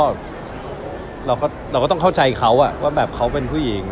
เราก็ต้องเข้าใจเขาว่าแบบเขาเป็นผู้หญิง